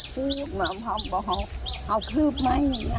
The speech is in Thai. คืบเขาบอกเอาคืบไหม